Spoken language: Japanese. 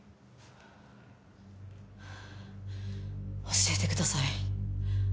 教えてください。